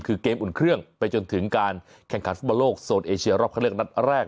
คือเกมอุ่นเครื่องไปจนถึงการแข่งขันฟุตบอลโลกโซนเอเชียรอบเข้าเลือกนัดแรก